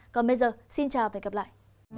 còn bây giờ xin chào và hẹn gặp lại